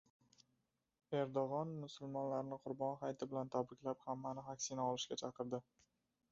Erdo‘g‘an musulmonlarni Qurbon hayiti bilan tabriklab, hammani vaksina olishga chaqirdi